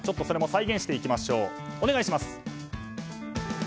それも再現していきましょう。